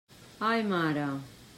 Ai, mare!